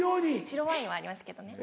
白ワインはありますけどね。